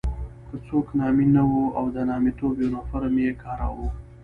که څوک نامي نه وو او د نامیتوب یونیفورم یې کاراوه.